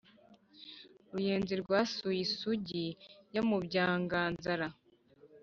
Ruyenzi rwasiye Isugi yo mu Byanganzara